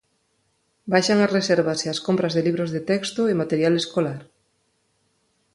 Baixan as reservas e as compras de libros de texto e material escolar.